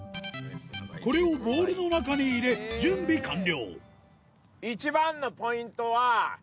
これをボウルの中に入れ準備完了